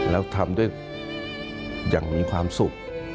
แล้วทำด้วยอย่างมีความสุข